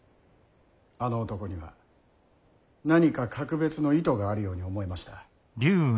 あの男には何か格別の意図があるように思えました。